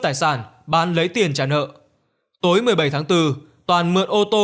tài sản bán lấy tiền trả nợ tối một mươi bảy tháng bốn toàn mượn ô tô